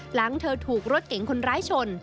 หลังเธอถูกรถเก๋งคนร้ายชน